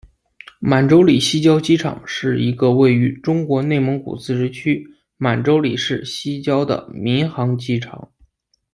满洲里西郊机场是一个位于中国内蒙古自治区满洲里市西郊的民航机场。